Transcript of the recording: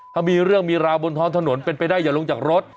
ถ้ามีเรื่องมีราวบนท้องถนนเป็นไปได้อย่าลงจากรถ